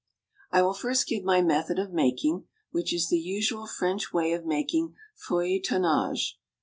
I will first give my method of making, which is the usual French way of making "feuilletonage."